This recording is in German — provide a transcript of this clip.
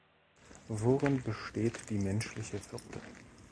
Worin besteht die menschliche Würde?